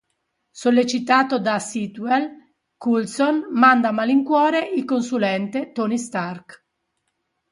Sollecitato da Sitwell, Coulson manda a malincuore "Il consulente": Tony Stark.